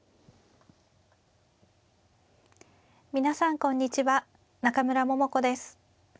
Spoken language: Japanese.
皆さんこんにちは中村桃子です。